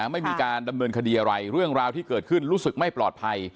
ไม่มีการดำเนินคดีอะไรเรื่องราวที่เกิดขึ้นรู้สึกไม่ปลอดภัย